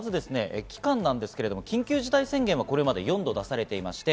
期間ですが、緊急事態宣言はこれまで４度出されています。